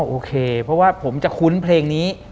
โอเคเพราะว่าผมจะคุ้นเพลงนี้